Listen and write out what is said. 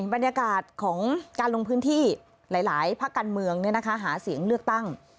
บรรยากาศของการลงพื้นที่หลายพระกันเมืองเนี่ยนะคะหาเสียงเลือกตั้ง